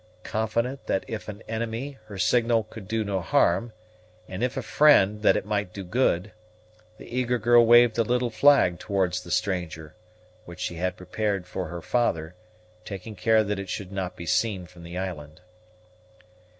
Confident that if an enemy her signal could do no harm, and; if a friend, that it might do good, the eager girl waved a little flag towards the stranger, which she had prepared for her father, taking care that it should not be seen from the island.